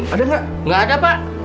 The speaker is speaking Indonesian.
ada nggak ada pak